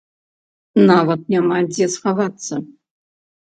Нават няма дзе схавацца!